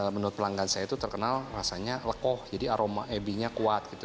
menurut pelanggan saya itu terkenal rasanya lekoh jadi aroma ebinya kuat gitu